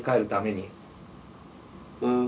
うん。